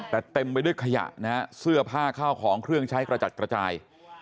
แต่เต็มไปด้วยขยะนะฮะเสื้อผ้าข้าวของเครื่องใช้กระจัดกระจาย